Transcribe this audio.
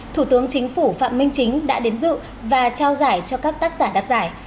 thủ tướng chính phủ phạm minh chính đã đến dự và trao giải cho các tác giả đặt giải